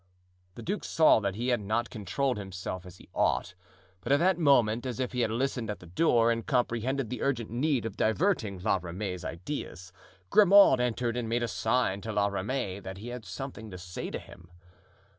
The duke saw that he had not controlled himself as he ought, but at that moment, as if he had listened at the door and comprehended the urgent need of diverting La Ramee's ideas, Grimaud entered and made a sign to La Ramee that he had something to say to him.